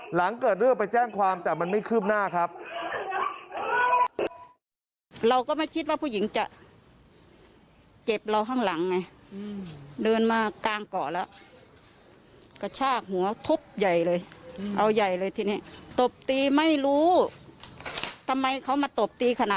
หลังเกิดเรื่องไปแจ้งความแต่มันไม่คืบหน้าครับ